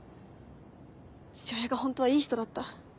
父親がホントはいい人だった？